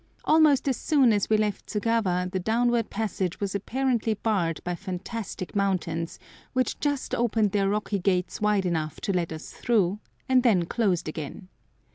Almost as soon as we left Tsugawa the downward passage was apparently barred by fantastic mountains, which just opened their rocky gates wide enough to let us through, and then closed again.